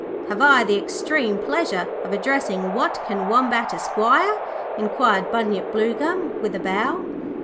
'Have I the extreme pleasure of addressing Watkin Wombat, Esq.?' inquired Bunyip Bluegum, with a bow.